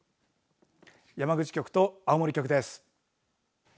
山口局と青森局です。